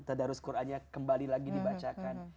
tadarus qurannya kembali lagi dibacakan